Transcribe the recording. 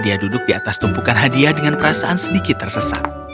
dia duduk di atas tumpukan hadiah dengan perasaan sedikit tersesat